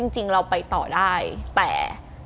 จริงเราไปต่อได้แต่